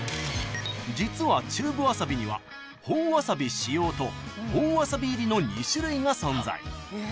［実はチューブわさびには「本わさび使用」と「本わさび入り」の２種類が存在］